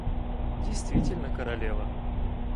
Действительно королева!